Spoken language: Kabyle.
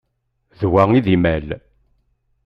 D wa i d imal?